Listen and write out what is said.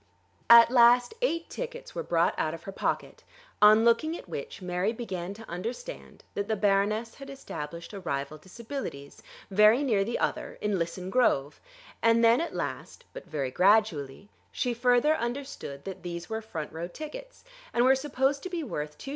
At last eight tickets were brought out of her pocket, on looking at which Mary began to understand that the Baroness had established a rival Disabilities, very near the other, in Lisson Grove; and then at last, but very gradually, she further understood that these were front row tickets, and were supposed to be worth 2_s.